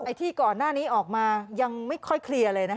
ที่ก่อนหน้านี้ออกมายังไม่ค่อยเคลียร์เลยนะคะ